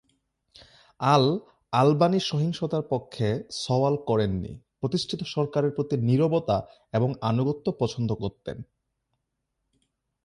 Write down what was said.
আল-আলবানী সহিংসতার পক্ষে সওয়াল করেননি, প্রতিষ্ঠিত সরকারের প্রতি নীরবতা এবং আনুগত্য পছন্দ করতেন।